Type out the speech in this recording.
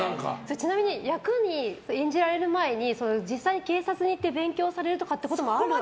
ちなみに役を演じられる前に実際に警察に行って勉強されるとかってこともあるわけですか？